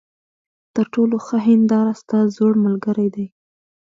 تر ټولو ښه هینداره ستا زوړ ملګری دی.